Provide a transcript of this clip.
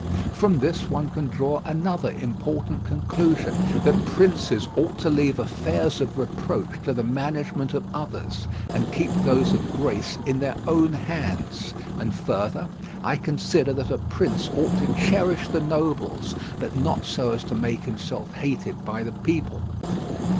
From this one can draw another important conclusion, that princes ought to leave affairs of reproach to the management of others, and keep those of grace in their own hands. And further, I consider that a prince ought to cherish the nobles, but not so as to make himself hated by the people.